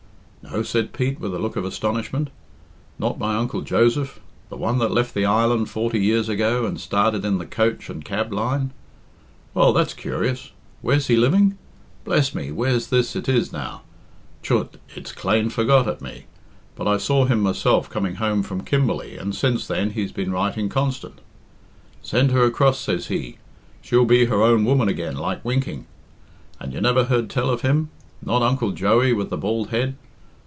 "No?" said Pete, with a look of astonishment. "Not my Uncle Joseph? The one that left the island forty years ago and started in the coach and cab line? Well, that's curious. Where's he living? Bless me, where's this it is, now? Chut! it's clane forgot at me. But I saw him myself coming home from Kimberley, and since then he's been writing constant. 'Send her across,' says he; 'she'll be her own woman again like winking.' And you never heard tell of him? Not Uncle Joey with the bald head?